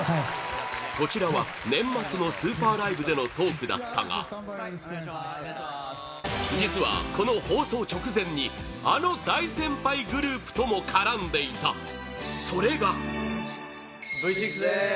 こちらは年末の「ＳＵＰＥＲＬＩＶＥ」でのトークだったが実は、この放送直前にあの大先輩グループとも絡んでいたそれが一同：Ｖ６です。